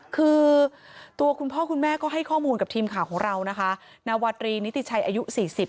คือตัวคุณพ่อคุณแม่ก็ให้ข้อมูลกับทีมข่าวของเรานะคะนาวาตรีนิติชัยอายุ๔๐